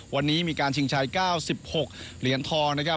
วันนี้มีการชิงชัยเก้าสิบหกเหรียญทองนะครับ